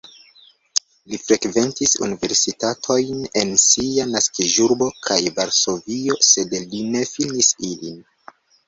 Li frekventis universitatojn en sia naskiĝurbo kaj Varsovio, sed li ne finis ilin.